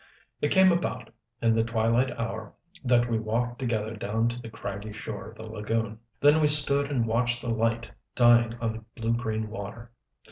It came about, in the twilight hour, that we walked together down to the craggy shore of the lagoon. Then we stood and watched the light dying on the blue green water.